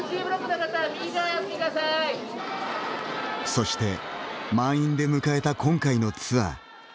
そして満員で迎えた今回のツアー。